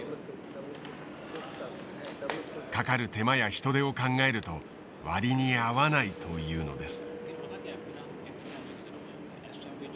かかる手間や人手を考えると割に合わないというのです。